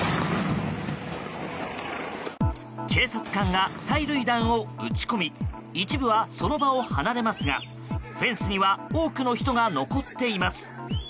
警察官が、催涙弾を撃ち込み一部は、その場を離れますがフェンスには多くの人が残っています。